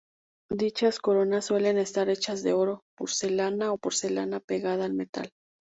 Dichas coronas suelen estar hechas de oro, porcelana o porcelana pegada a metal.